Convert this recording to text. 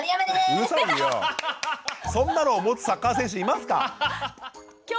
そんなのを持つサッカー選手いますか？